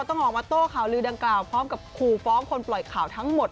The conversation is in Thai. ต้องออกมาโต้ข่าวลือดังกล่าวพร้อมกับขู่ฟ้องคนปล่อยข่าวทั้งหมด